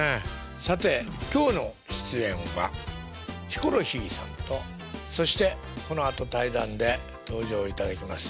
さて今日の出演はヒコロヒーさんとそしてこのあと対談で登場いただきます